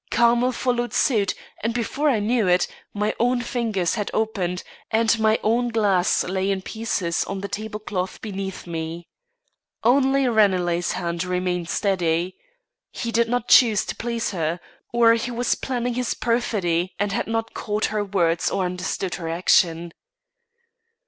Carmel followed suit, and, before I knew it, my own fingers had opened, and my own glass lay in pieces on the table cloth beneath me. Only Ranelagh's hand remained steady. He did not choose to please her, or he was planning his perfidy and had not caught her words or understood her action.